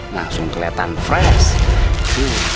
langsung keliatan fresh